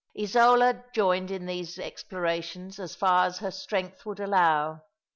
Isola joined in these explorations as far as her strength would allow.